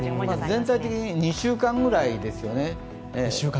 全体的に２週間ぐらいですよね。